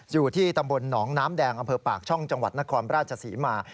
อยู่ที่ตำบลหนองน้ำแดงอำเภอปากช่องจังหวัดนครราชศรีมา